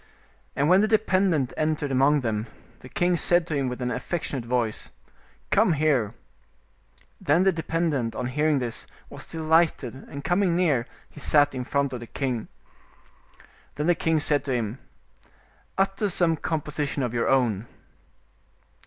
And when the dependent entered among them, the king said to him with an affectionate voice, "Come here"; then the dependent, on hearing this, was delighted, and coming near, he sat in front of the king. Then the king said to him, "Utter some composition of your own."